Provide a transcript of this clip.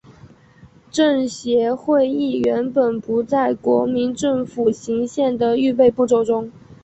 政协会议原本不在国民政府行宪的预备步骤中。